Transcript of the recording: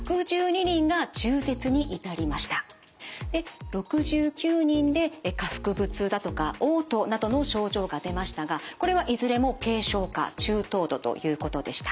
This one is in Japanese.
で６９人で下腹部痛だとかおう吐などの症状が出ましたがこれはいずれも軽症か中等度ということでした。